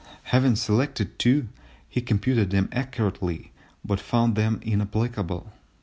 Having selected two, he computed them accurately but found them inapplicable.